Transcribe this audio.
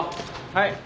はい。